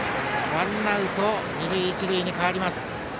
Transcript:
ワンアウト二塁一塁に変わります。